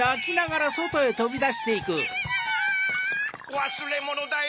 わすれものだよ！